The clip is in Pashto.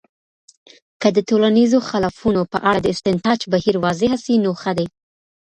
که د ټولنیزو خلافونو په اړه د استنتاج بهیر واضحه سي، نو ښه دی.